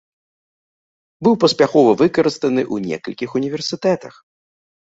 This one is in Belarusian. Быў паспяхова выкарыстаны ў некалькіх універсітэтах.